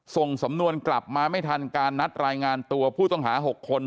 ส่งสำนวนกลับมาไม่ทันการนัดรายงานตัวผู้ต้องหา๖คน